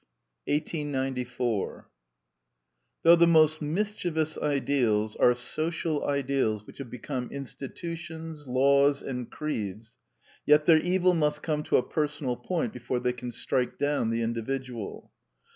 Little Eyolf 1894 Though the most mischievous ideals are social ideals which have become institutions, laws, and creeds, yet their evil must come to a personal point before they can strike down the individual.